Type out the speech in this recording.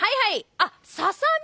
あっささ身？